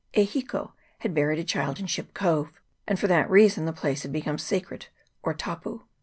E Hiko had buried a child in Ship Cove, and for that reason the place had become sacred, or " tapu."